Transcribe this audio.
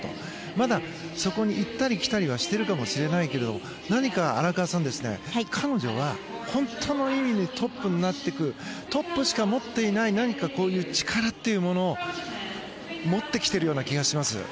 まだそこに行ったり来たりはしてるかもしれないけど何か、荒川さん彼女は本当の意味でトップになっていくトップしか持っていない何かこういう力というものを持ってきているような気がします。